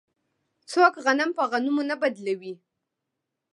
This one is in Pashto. څوک غنم په غنمو نه بدلوي.